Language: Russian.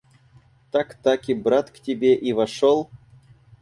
Так-таки брат к тебе и вошел?